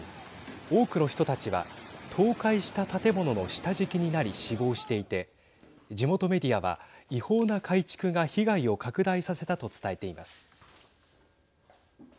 多くの人たちは倒壊した建物の下敷きになり死亡していて、地元メディアは違法な改築が被害を拡大させたと伝えています。